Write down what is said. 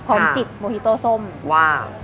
พร้อมจิตโมฮิโต้ส้มว่า